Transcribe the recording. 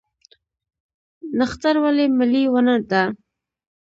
نښتر ولې ملي ونه ده؟